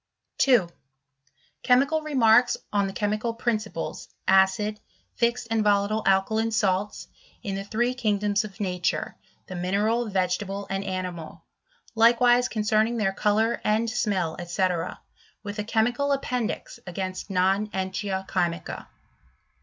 2. Chemical Remarks on the chemical Principles, acid, fixed and volatile alkaline Salts, in the three kingdoms of nature, the mineral, vegetable, and ani^ mal ; likewise concerning their colour and smell, &C.S with a chemical appendix against non entia chymica.